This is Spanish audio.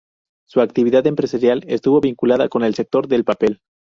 Su actividad empresarial estuvo vinculada con el sector del papel.